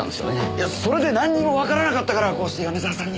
いやそれでなんにもわからなかったからこうして米沢さんに。